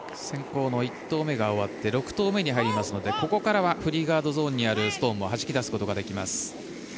先攻の１投目が終わって６投目に入りますのでここからはフリーガードゾーンにあるストーンもはじき出すことができます。